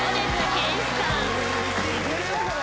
いけるよこれ。